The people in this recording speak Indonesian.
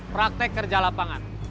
praktek kerja lapangan